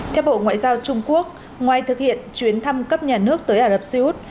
theo bộ ngoại giao trung quốc ngoài thực hiện chuyến thăm cấp nhà nước tới ả rập xê út